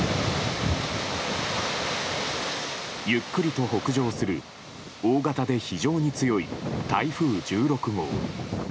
ゆっくりと北上する大型で非常に強い台風１６号。